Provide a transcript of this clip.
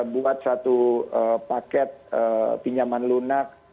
buat satu paket pinjaman lunak